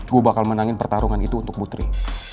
gue bakal menangin pertarungan itu untuk putri